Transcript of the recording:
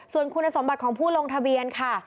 ส่วนคุณสมบัติของผู้ลงทะเบียนค่ะ